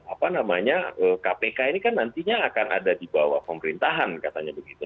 apa namanya kpk ini kan nantinya akan ada di bawah pemerintahan katanya begitu